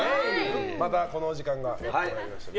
また、このお時間がやってまいりましたね。